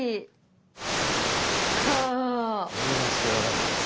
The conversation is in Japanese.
これは知らなかったぞ。